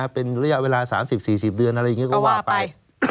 เป็นระยะเวลา๓๐๔๐เดือนอะไรอย่างนี้ก็ว่าไป